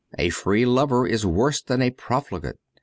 ... A free lover is worse than a profligate.